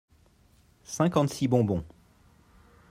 Cinquante-six bonbons.